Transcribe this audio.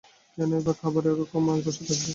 কেনই বা খাবার সময় ওরকম বসে থাকবে?